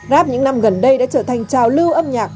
rap những năm gần đây đã trở thành trào lưu âm nhạc